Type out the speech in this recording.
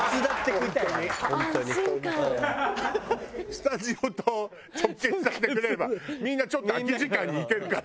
スタジオと直結させてくれればみんなちょっと空き時間に行けるから。